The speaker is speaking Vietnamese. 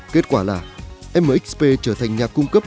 kết quả là mxp trở thành nhà cung cấp